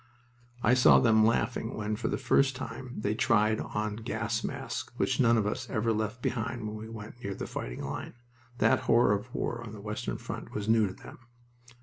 I saw them laughing when, for the first time, they tried on the gas masks which none of us ever left behind when we went near the fighting line. That horror of war on the western front was new to them.